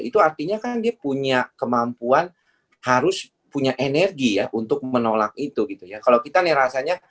itu artinya kan dia punya kemampuan harus punya energi ya untuk menolak itu gitu ya